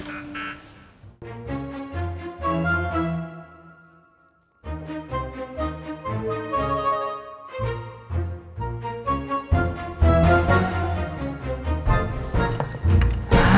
kursi keras lagi ya